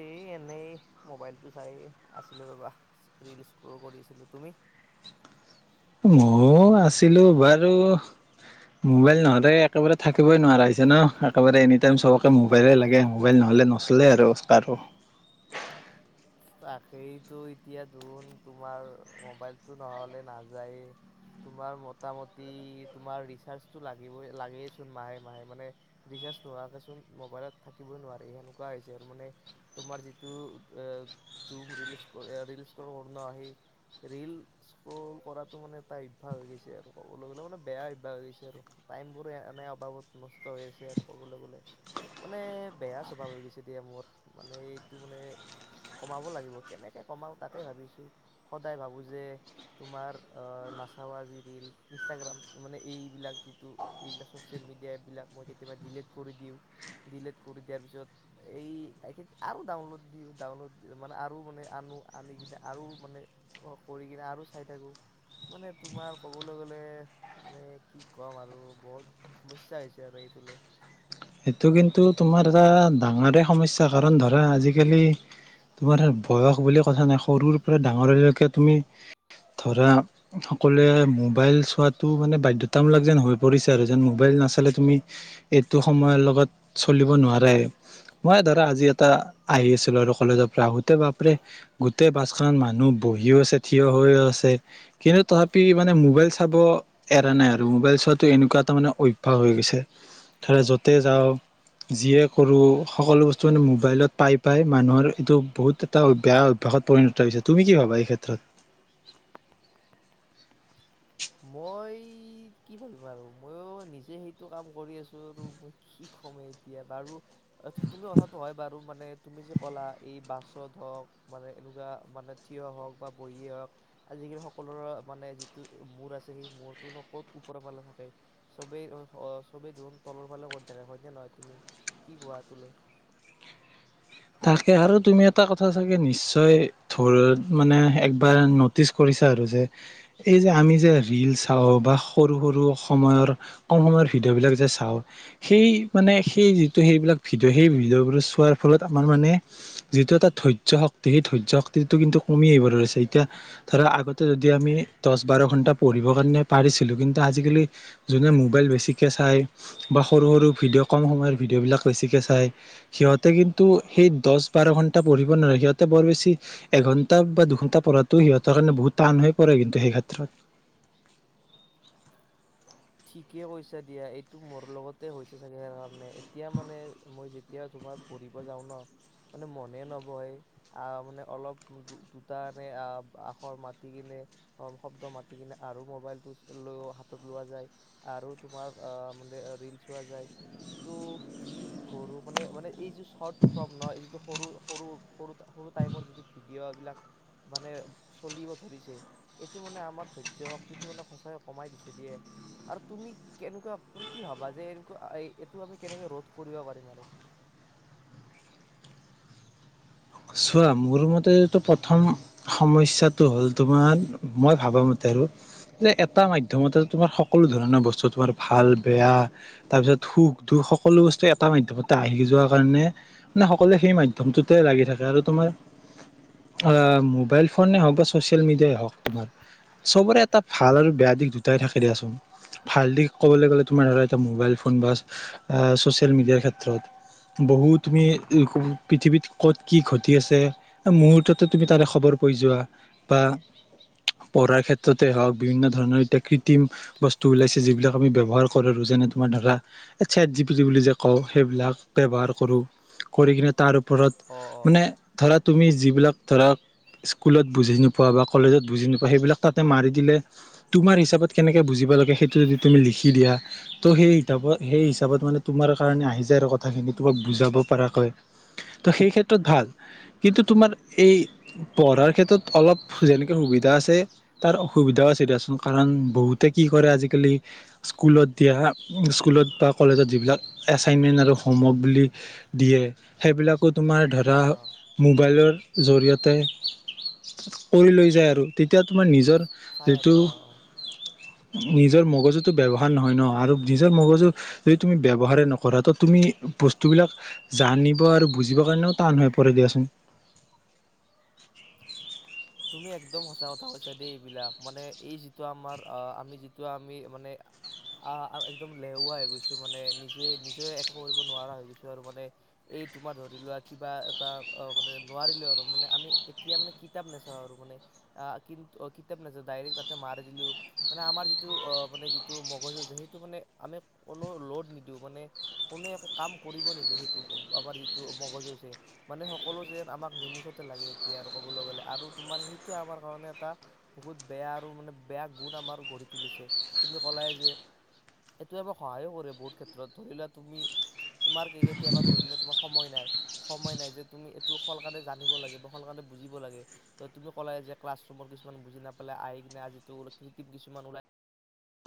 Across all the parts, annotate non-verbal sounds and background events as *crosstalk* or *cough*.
এই এনেই মোবাইলটো চাই আছিলো ৰ'বা। ৰিল স্ক্ৰল কৰি আছিলোঁ, তুমি? ময়ো আছিলো বাৰু মোবাইল নহ'লে একেবাৰে থাকিবই নোৱাৰা হৈছে ন, একেবাৰে এনি টাইম চবকে মোবাইলে লাগে মোবাইল নহ'লে নহয়। নচলে আৰু কাৰো। তাকেইতো এতিয়া ধোন তোমাৰ মোবাইলতটো নহ'লে নাযাইয়েই। তোমাৰ মোটামটি তোমাৰ ৰিচাৰ্জটো লাগিবই লাগেইচোন মাহে মাহে। মানে ৰিচাৰ্জ নোহোৱাকেচোন মোবাইলত থাকিব নোৱাৰি সেনেকুৱা হৈছে আৰু, মানে তোমাৰ যিটো এ ধুম ৰিলিজ ৰীল স্কৰ্ল কৰো ন হেই ৰীল স্ক্ৰল মানে এটা অভ্যাস গৈছে আৰু ক'বলৈ গ'লে মানে বেয়া অভ্যাস হৈ গৈছে আৰু। টাইমবোৰ এনে অবাৱত নষ্ট হৈ আছে ক'বলৈ গ'লে। মানে বেয়া স্বভাৱ হৈ গৈছে দিয়া মোৰ মানে এইটো মানে। কমাব লাগিব কেনেকৈ কমাও তাকে ভাবিছোঁ। সদায় ভাবোঁ যে তোমাৰ নাচাওঁ আজি ৰীল, ইনষ্টাগ্ৰাম মানে এইবিলাক যিটো এইবিলাক ছ'চিয়েল মিডিয়া এপ বিলাক মই কেতিয়াবা ডিলিট কৰি দিওঁ। ডিলিট কৰি দিয়াৰ পিছত এইখিন আৰু ডাউনলোড দিওঁ ডাউনলোড। মানে আৰু মানে আনো আনি কিনে আৰু মানে কৰি কিনে আৰু চাই থাকোঁ। মানে তোমাৰ ক'বলৈ কি ক'ম আৰু বহুত সমস্যা হৈছে আৰু এইটো লৈ। সেইটো কিন্তু তোমাৰ এটা ডাঙৰে সমস্যা। কাৰণ ধৰা আজিকালি তোমাৰ বয়স বুলি কথা নাই। সৰুৰ পৰা ডাঙৰলৈকে তুমি ধৰা সকলোৱে মোবাইল চোৱাতটো মানে বাধ্যতামূলক যেন হৈ পৰিছে আৰু, যেন মোবাইল নাচালে তুমি এইটো সময়ৰ লগত চলিব নোৱাৰাই। মই ধৰা আজি এটা আহি আছিলো আৰু কলেজৰ পৰা আহোতে। বাপৰে গোটেই বাছখনত মানুহ বহিও আছে থিয় হৈয়ো আছে। কিন্তু তথাপি মানে মোবাইল চাব এৰা নাই। আৰু মোবাইল চোৱাটো এনেকুৱা এটা মানে অভ্যাস হৈ গৈছে ধৰা য'তে যাওঁ যিয়ে কৰো সকলো বস্তু মানে মোবাইলত পাই পাই মানুহৰ এইটো বহুত এটা বেয়া অভ্যাসত পৰিণত হৈছে। তুমি কি ভাবা এই ক্ষেত্ৰত? মই কি ভাবিম আৰু, ময়ো নিজে সেইটো কাম কৰি আছোঁ আৰু। মই কি কম এতিয়া, বাৰু তুমি কথাটো হয় বাৰু, মানে তুমি যে ক'লা এই বাছত হওঁক মানে এনেকুৱা মানে থিয় হওঁক বা বহীয়ে হওঁক, আজিকালি সকলোৰে মানে যিটো মূৰ আছে সেই মূৰটোনো ক'ত ওপৰ ফালে থাকে। চবেই চবেই যোন তলৰ ফালে কৰি থাকে হয়নে নহয় তুমি কি কোৱা এটোলৈ? তাকে, আৰু তুমি এটা কথা চাগে নিশ্চয় ধৰ মানে একবাৰ নোট টিছ কৰিছা আৰু যে এই যে আমি যে ৰীল চাওঁ বা সৰু সৰু সময়ৰ। কম সময়ৰ ভিডিঅ' বিলাক যে চাওঁ। সেই মানে সেই যিটো সেইবিলাক ভিডিঅ সেই ভিডিঅ'বোৰ চোৱাৰ ফলত আমাৰ মানে যিটো এটা ধৈয্য শক্তি সেই ধৈয্য শক্তিটো কিন্তু কমি আহিব ধৰিছে, এতিয়া ধৰ আগতে যদি আমি দশ বাৰ ঘন্টা পঢ়িবৰ কাৰণে পাৰিছিলো, কিন্তু আজিকালি যোনে মোবাইল বেছিকে চাই, বা সৰু সৰু ভিডিঅ' কম সময়ৰ ভিডিঅ' বিলাক বেছিকে চায়। সিহঁতে কিন্তু সেই দশ বাৰ ঘন্টা পঢ়িব নোৱাৰে, সিহঁতে বৰ বেছি এঘন্টা বা দুঘন্টা পঢ়াতো সিহঁতৰ কাৰণে বহুত টান হৈ পৰে কিন্তু সেই ক্ষেত্ৰত। ঠিকে কৈছা দিয়া, এইটো মোৰ লগতে হৈছে চাগে কাৰণে এতিয়া মানে মই যেতিয়া তোমাৰ পঢ়িব যাওঁ ন, মানে মনে নবহে। আহ মানে অলপ দু দুটানে আখৰ মাতি কিনে। কম শব্দ মাতি কিনে আৰু মোবাইলটো লৈ হাতত লোৱা যায়। আৰু তোমাৰ অঁ মানে ৰিল চোৱা যায়, ত' কি কৰো মানে মানে মানে এইযো চৰ্ট ফ্ৰৰ্ম ন, এই যিটো সৰু সৰু সৰু সৰু টাইমৰ যিটো ভিডিঅ এইবিলাক মানে চলিব ধৰিছে। এইটো মানে আমাৰ ধৈৰ্য শক্তিটো মানে সঁচাকে কমাই দিছে দিয়ে। আৰু তুমি কেনেকুৱা তুমি কি ভাবা যে এনেকুৱা এই এইটো আমি কেনেকৈ ৰোধ কৰিব পাৰিম আৰু। চোৱা, মোৰ মতেটো প্ৰথম সমস্যাটো হ'ল তোমাৰ মই ভাবামতে আৰু যে এটা মাধ্যমতে তোমাৰ সকলো ধৰণৰ বস্তু তোমাৰ ভাল বেয়া, তাৰপিছত সুখ দুখ সকলো বস্তু এটা মাধ্যমতে আহি যোৱাৰ কাৰণে, মানে সকলোৱে সেই মাধ্যমটোতে লাগি থাকে আৰু তোমাৰ অঁ, মোবাইল ফোনে হওক বা ছ'চিয়েল মিডিয়াই হওক তোমাৰ চবৰে এটা ভাল আৰু বেয়া দিশ দুটাই থাকে দিয়াচোন। ভাল দিশ ক'বলৈ গ'লে তোমাৰ ধৰা এতিয়া মোবাইল ফোন বা চচিয়েল মিডিয়াৰ ক্ষেত্ৰত। বহু তুমি এইখন পৃথিৱীত ক'ত, কি ঘটি আছে মূহুৰ্ততে তুমি তাৰে খবৰ পাই যোৱা, বা পঢ়াৰ ক্ষেত্ৰতে হওক বিভিন্ন ধৰণৰ এতিয়া কৃত্ৰিম, বস্তু ওলাইছে যিবিলাক আমি ব্যৱহাৰ কৰো যেনে তোমাৰ ধৰা, এ চেট জি পি টি বুলি যে কওঁ, সেইবিলাক ব্যৱহাৰ কৰো কৰি কিনে তাৰ ওপৰত অ অ মানে ধৰা তুমি যিবিলাক ধৰা স্কুলত বুজি নোপোৱা বা কলেজত বুজি নোপোৱা সেইবিলাক তাতে মাৰি দিলে, তোমাৰ হিচাপত কেনেকে বুজিব লাগে সেইটো যদি তুমি লিখি দিয়া, ত' সেই হিতাপত সেই হিচাপত মানে তোমাৰ কাৰণে আহি যায় আৰু কথাখিনি তোমাক বুজাব পৰাকৈ। তো সেই ক্ষেত্ৰত ভাল। কিন্তু তোমাৰ এই পঢ়াৰ ক্ষেত্ৰত অলপ যেনেকে সুবিধা আছে, তাৰ অসুবিধাও আছে দিয়াচোন, কাৰণ বহুতে কি কৰে আজিকালি স্কুলত দিয়া স্কুলত বা কলেজত যিবিলাক এছাইনমেণ্ট আৰু হোমৱৰ্ক বুলি দিয়ে, সেইবিলাক আকৌ তোমাৰ ধৰা, অ মোবাইলৰ জৰিয়তে কৰি লৈ যায় আৰু। তেতিয়া তোমাৰ নিজৰ চাই আৰু যিটো অ অ নিজৰ মগজুতো ব্যৱহাৰ নহয় ন, আৰু নিজৰ মগজু যদি তুমি ব্যৱহাৰে নকৰা, ত তুমি বস্তুবিলাক জানিব আৰু বুজিব কাৰণেয়ো টান হৈ পৰে দিয়াচোন। তুমি একদম সঁচা কথা কৈছা দেই এইবিলাক, মানে এই যিটো আমাৰ আহ আমি যিটো আমি মানে আঁহ একদম এলেহৱা হৈ গৈছো মানে নিজে নিজে একো কৰিব নোৱাৰা হৈ গৈছো আৰু মানে। এই তোমাৰ ধৰি লোৱা কিবা এটা অঁ মানে নোৱাৰিলো আৰু মানে আমি এতিয়া মানে কিতাপ নে চাও আৰু মানে আ কিন্ত কিতাপ নাচাও ডাইৰেক্ট তাতে মাৰি দিলো মানে আমাৰ যিটো অ মানে যিটো মগজু যে সেইটো মানে আমি কোনো ল'ড নিদিওঁ মানে কোনো একো কাম কৰিব নিদো সেইটো আমাৰ যিটো মগজু আছে মানে সকলো যেন আমাক নিমিষতে লাগে এতিয়া আৰু কবলৈ গ'লে আৰু তোমাৰ সেইটোৱে আমাৰ কাৰণে এটা বহুত বেয়া আৰু মানে বেয়া গুণ আমাৰ গঢ়ি তুলিছে তুমি ক'লাই যে এইটো আমাক সহায়ো কৰে বহুত ক্ষেত্ৰত ধৰি লোৱা তুমি তোমাৰ কি কেতিয়াবা ধৰিলোৱা তোমাৰ সময় নাই সময় নাই যে তুমি এইটো সোনকালে জানিব লাগে বা সোনকালে বুজিব লাগে তুমি ক'লাই যে ক্লাছৰুমৰ কিছুমান বুজি নাপালে আহি কিনে আজি *unintelligible* কিছুমান ওলাই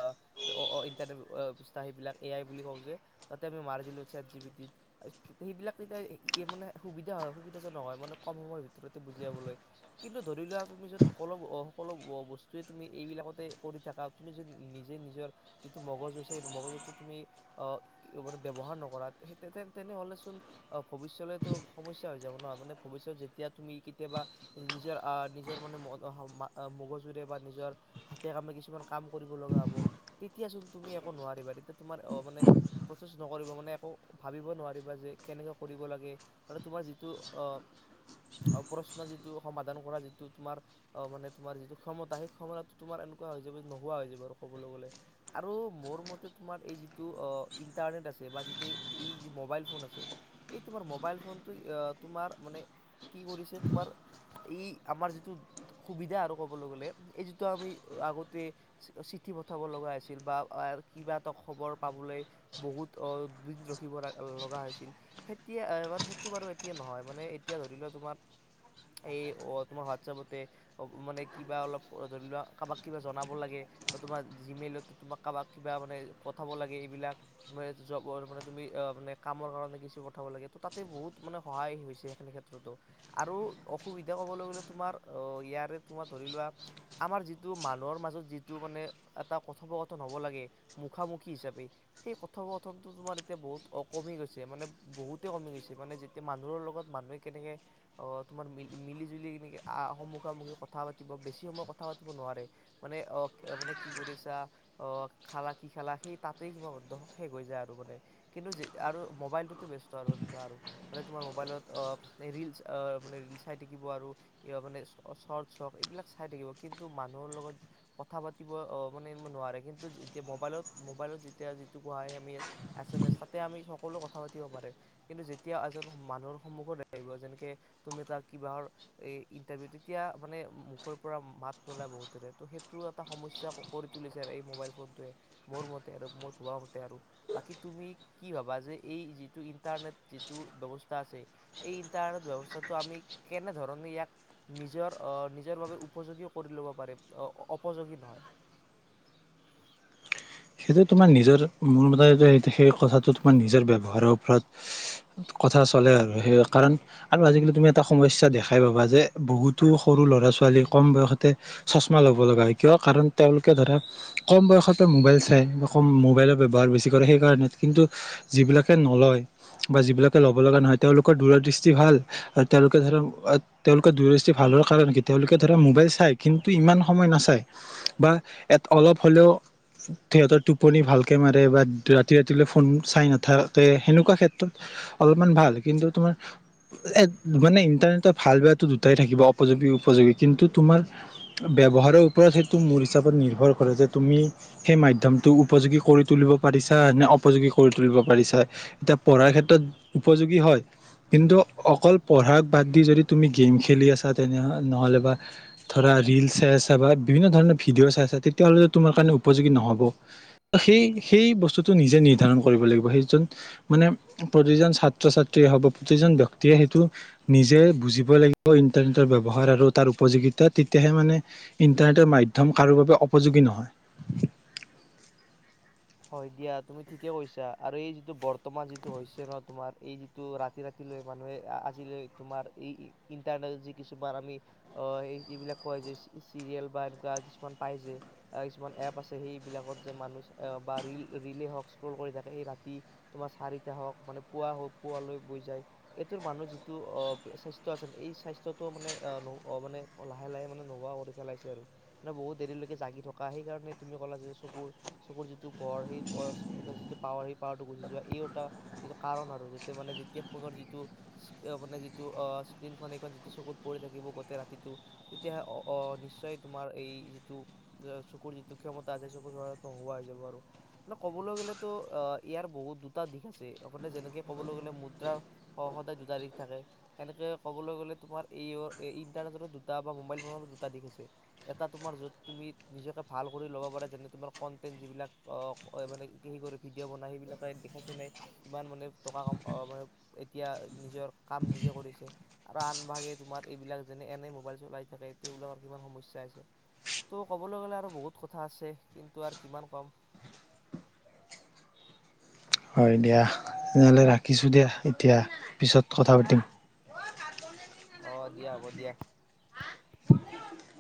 আ তু ইণ্টাৰনেট ব্যৱস্থা সেইবিলাক এ আই বুলি কওঁ যে তাতে আমি মাৰি দিলোঁ চেট জি পি টিত সেইবিলাক তেতিয়া মানে সুবিধা হয় সুবিধাজনক হয় মানে কম সময়ৰ ভিতৰতে বুজি পাবলৈ কিন্তু ধৰি লোৱা তুমি যদি সকলো সকলো বস্তুৱে তুমি এইবিলাকতে কৰি থাকা তুমি যদি নিজে নিজৰ যিটো মগজু আছে মগজুটো তুমি অ *unintelligible* ব্যৱহাৰ নকৰা সেই তে তেনেহ'লেচোন অ' ভৱিষ্যলৈতো সমস্যা হৈ যাব ন আপুনি ভৱিষ্যত যেতিয়া কেতিয়াবা নিজৰ আ নিজৰ মানে মগজুৰে বা নিজৰ হাতে কামে কিছুমান কাম কৰিব লগা হ'ব তেতিয়াচোন তুমি একো নোৱাৰিবা তেতিয়া তোমাৰ অ মানে প্ৰচেছ নকৰিব মানে একো ভাবিব নোৱাৰিবা যে কেনেকৈ কৰিব লাগে মানে তোমাৰ যিটো অ আৰু প্ৰশ্ন যিটো সমাধান কৰা যিটো তোমাৰ অ মানে তোমাৰ যিটো ক্ষমতা সেই ক্ষমতাটো তোমাৰ এনেকুৱা হৈ যাব নোহোৱা হৈ যাব বাৰু ক'বলৈ গ'লে আৰু মোৰ মতে তোমাৰ এই যিটো ইণ্টাৰনেট আছে বা যিটো এই যি মোবাইল ফোন আছে এই তোমাৰ মোবাইল ফোনটো অ তোমাৰ মানে কি কৰিছে তোমাৰ ই আমাৰ যিটো সুবিধা আৰু ক'বলৈ গ'লে এই যিটো আমি আগতে চিঠি পঠাব লগা হৈছিল বা কিবা এটা খবৰ পাবলৈ বহুত অ *unintelligible* ৰখিব লগা হৈছিল সেতিয়া বাৰু সেইটো বাৰু এতিয়া নহয় মানে এতিয়া ধৰি লোৱা তোমাৰ এই অ' তোমাৰ হোৱাটছএপতে অ মানে কিবা অলপ ধৰি লোৱা কাৰবাক কিবা জনাব লাগে বা তোমাৰ জিমেইলত তোমাক কাৰবাক কিবা মানে পথাব লাগে এইবিলাক জবৰ পৰা তুমি আ মানে কামৰ কাৰণে কিছু পথাব লাগে তো তাতে বহুত মানে সহায় হৈছে সেনে ক্ষেত ত্ৰতো, আৰু অসুবিধা ক'বলৈ গ'লে তোমাৰ ইয়াৰে তোমাৰ ধৰি লোৱা আমাৰ যিটো মানুহৰ মাজত যিটো টো মানে এটা কথোপকথন হ'ব লাগে মুখামুখি হিচাপে সেই কথোপকথনটো তোমাৰ এতিয়া বহুত কমি গৈছে মানে বহুতে কমি গৈছে মানে যেতিয়া মানুহৰ লগত মানুহে কেনেকে অ' তোমাৰ মি মিলি জুলি এনেকে আ সমূখাসমূখি কথা পাতিব বেছি সময় কথা পাতিব নোৱাৰে মানে অ মানে কি কৰিছা অ' খালা কি খালা সেই তাতেই সীমাবদ্ধ শেষ হৈ যায় আৰু মানে কিন্তু যে আৰু মোবাইলটোতে ব্যস্ত আৰু সেনেকুৱা আৰু মানে তোমাৰ মোবাইলত অ ৰিলচ মানে ৰিল চাই থাকিব আৰু এয়া মানে চৰ্ট চক এইবিলাক চাই থাকিব কিন্তু মানুহৰ লগত কথা পাতিব অ মানে এ নোৱাৰে কিন্তু যেতিয়া মোবাইলত মোবাইলত যেতিয়া যিটো কোৱা হয় আমি এছ এম এছ তাতে আমি সকলো কথা পাতিব পাৰে কিন্তু যেতিয়া এজন মানুহৰ সন্মুখত আহিব যেনেকে তুমি তাক কিবাহৰ এই ইণ্টাৰভিউ তেতিয়া মানে মুখৰ পৰা মাত নোলায় বহুতৰে তো সেই টো এটা সমস্যা কৰি তুলিছে আৰু এই মোবাইল ফোনটোৱে মোৰ মতে আৰু মোৰ ভবা মতে আৰু বাকী তুমি কি ভাবা যে এই যিটো ইণ্টাৰনেট যিটো ব্যৱস্থা আছে। এই ইন্টাৰনেট ব্যৱস্থাটো আমি কেনেধৰণে ইয়াক নিজৰ আহ নিজৰ বাবে উপযোগীও কৰি ল'ব পাৰে অপযোগী নহয়। সেইটো তোমাৰ নিজৰ মোৰ মতেটো সেইটো সেই কথাটো তোমাৰ নিজৰ ব্যৱহাৰৰ ওপৰত। কথা চলে আৰু সেই কাৰণ আৰু আজিকালি তুমি এটা সমস্যাই দেখাই পাবা যে বহুতো সৰু ল'ৰা ছোৱালী কম বয়সতে চশমা ল'ব লগা হয় কিয় কাৰণ তেওঁলোকে ধৰা কম বয়সতে মোবাইল চাই যেন সৰু মোবাইলৰ ব্যৱহাৰ বেছি কৰে সেইকাৰণে, কিন্তু যিবিলাকে নলয় বা যিবিলাকে ল'ব লগা নহয় তেওঁলোকৰ দূৰ দৃষ্টি ভাল, আৰু তেওঁলোকে ধৰক তেওঁলোকৰ দূৰ-দৃষ্টি ভালৰ কাৰণে কি তেওঁলোকে ধৰা মোবাইল চাই কিন্তু ইমান সময় নাচায়। বা এত অলপ হ'লেও সিহঁতৰ টোপনি ভালকে মাৰে বা ৰাতি ৰাতিলৈ ফোন চাই নাথাকে সেনেকুৱা ক্ষেত্ৰত অলপমান ভাল কিন্তু তোমাৰ এ মানে ইণ্টাৰনেটৰ ভাল বেয়াটো দুটাই থাকিব উপযোগী অপযোগী কিন্তু তোমাৰ ব্যৱহাৰৰ ওপৰত সেইটো মোৰ হিচাপত নিৰ্ভৰ কৰে যে তুমি সেই মাধ্যম মাধ্যমটো উপযোগী কৰি তুলিব পাৰিছা নে অপযোগী কৰি তুলিব পাৰিছা। এতিয়া পঢ়াৰ ক্ষেত্ৰত উপযোগী হয়। কিন্তু অকল পঢ়াক বাদ দি যদি তুমি গেম খেলি আছা তেনে নহ'লে বা ধৰা ৰিল চাই আছা বা বিভিন্ন ধৰণৰ ভিডিঅ' চাই আছা তেতিয়াহ'লেতো তোমাৰ কাৰণে উপযোগী নহ'ব। সেই সেই বস্তুটো নিজে নিৰ্ধাৰণ কৰিব লাগিব সেইজন মানে প্ৰতিজন ছাত্ৰ ছাত্ৰীয়ে হ'ব, প্ৰতিজন ব্যক্তিয়ে সেইটো নিজে বুজিব লাগিব ইণ্টাৰনেটৰ ব্যৱহাৰ আৰু তাৰ উপযোগিতা তেতিয়াহে মানে ইণ্টাৰনেটৰ মাধম্য কাৰো বাবে উপযোগী নহয়। হয় দিয়া তুমি ঠিকে কৈছা আৰু এই যিটো বৰ্তমান যিটো হৈছে ন তোমাৰ এই ত ৰাতি ৰাতি ৰাতিলৈ মানুহে আজিলৈ তোমাৰ এই ইণ্টাৰনেট যি কিছুমান আমি আহ এই এইবিলাক কয় যে চিৰিয়েল বা এনেকুৱা কিছুমান পাই যে কিছুমান এপ আছে সেইবিলাকত যে মানুহ আহ বা ৰিল ৰিলে হওঁক স্ক্ৰল কৰি থাকে সেই ৰাতি তোমাৰ চাৰিটা হওঁক মানে পুৱা হওঁক পুৱালৈ বৈ যায়। এইটোৰ মানুহৰ যিটো অ স্বাস্থ্য আছে এই স্বাস্থ্যটো মানে অ মানে অ লাহে লাহে মানে নোহোৱা কৰি পেলাইছে আৰু মানে বহুত দেৰিলৈকে জাগি থকা সেইকাৰণে তুমি কলা যে চকুৰ চকুৰ যিটো পোহৰ সেই যিটো পাৱাৰ সেই পাৱাৰটো গুচি যোৱা এই এটা সেইটো কাৰণ আৰু যাতে মানে যেতিয়া ফোনৰ যিটো মানে যিটো স্ক্ৰীণখন এইখন যিটো চকুত পৰি থাকিব গোটেই ৰাতিটো তেতিয়াহে অ নিশ্চয় তোমাৰ এই যিটো চকুৰ যিটো ক্ষমতা আছে চকুৰত নোহোৱা হৈ যাব আৰু। মানে ক'বলৈ গ'লেতো অ ইয়াৰ বহুত দুটা দিশ আছে মানে যেনেকে ক'বলৈ গ'লে মুদ্ৰাৰ হয় সদায় দুটা দিশ থাকে। সেনেকে কবলৈ গলে তোমাৰ এই ইণ্টাৰনেটতো দুটা বা মোবাইল ফোনতো দুটা দিশ আছে। এটা তোমাৰ য'ত তুমি নিজকে ভাল কৰি ল'ব পাৰা যেনে তোমাৰ কণ্টেণ্ট যিবিলাক মানে কি কৰে ভিডিঅ' বনায় সেইবিলাকে দেখাইছে নাই কিমান মানে টকা ক মানে এতিয়া নিজৰ কাম নিজে কৰিছে। আৰু আনভাগে তোমাৰ এইবিলাক যেনে এনে মোবাইল চলাই থাকে তেবিলাকৰ কিমান সমস্যা আছে। ত' ক'বলৈ গ'লে আৰু বহুত কথা আছে কিন্তু আৰু কিমান কম। হয় দিয়া তেনেহ'লে ৰাখিছোঁ দিয়া এতিয়া পিছত কথা পাতিম অ দিয়া হ'ব দিয়া